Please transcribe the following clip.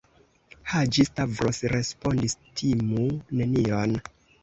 Haĝi-Stavros respondis: Timu nenion.